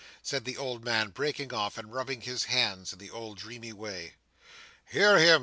said the old man, breaking off, and rubbing his hands in his old dreamy way. "Hear him!"